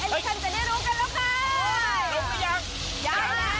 มาเมื่อกี้แล้วค่ะ